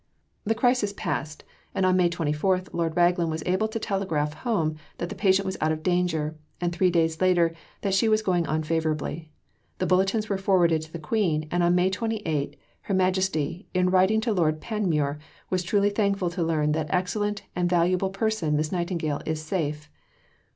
The crisis passed, and on May 24 Lord Raglan was able to telegraph home that the patient was out of danger, and three days later that she was going on favourably. The bulletins were forwarded to the Queen, and on May 28 Her Majesty, in writing to Lord Panmure, was "truly thankful to learn that excellent and valuable person, Miss Nightingale, is safe."